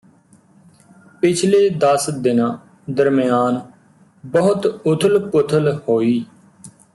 ਪਿਛਲੇ ਦਸ ਦਿਨਾਂ ਦਰਮਿਆਨ ਬਹੁਤ ਉਥਲ ਪੁਥਲ ਹੋਈ